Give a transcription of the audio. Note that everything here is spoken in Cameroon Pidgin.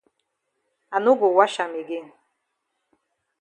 I no go wash am again.